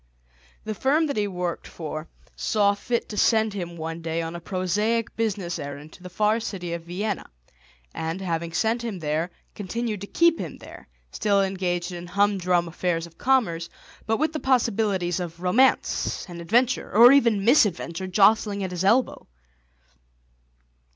The firm that he worked for saw fit to send him one day on a prosaic business errand to the far city of Vienna, and, having sent him there, continued to keep him there, still engaged in humdrum affairs of commerce, but with the possibilities of romance and adventure, or even misadventure, jostling at his elbow.